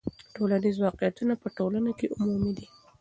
ټولنیز واقعیتونه په ټولنه کې عمومي دي.